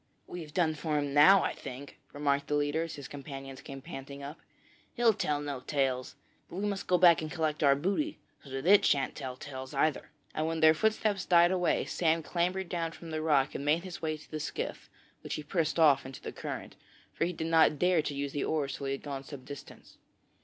'We've done for him now I think,' remarked the leader, as his companions came panting up. 'He'll tell no tales; but we must go back and collect our booty, so that it shan't tell tales either,' and when their footsteps died away Sam clambered down from the rock and made his way to the skiff, which he pushed off into the current, for he did not dare to use the oars till he had gone some distance.